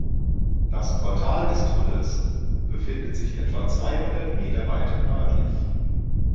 Das Portal des Tunnels befindet sich etwa zweihundert Meter weiter nördlich.